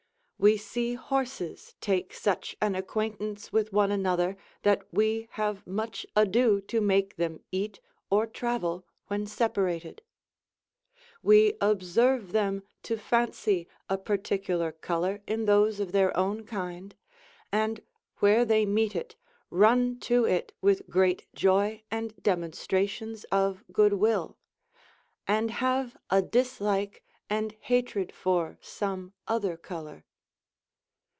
We see horses take such an acquaintance with one another that we have much ado to make them eat or travel, when separated; we observe them to fancy a particular colour in those of their own kind, and, where they meet it, run to it with great joy and demonstrations of good will, and have a dislike and hatred for some other colour.